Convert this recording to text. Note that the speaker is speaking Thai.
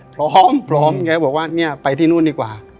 พร้อมพร้อมแกบอกว่าเนี่ยไปที่นู่นดีกว่า